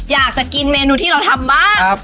อยากจะกินเมนูที่เราทำบ้าง